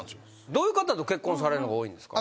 どういう方と結婚されるのが多いんですか？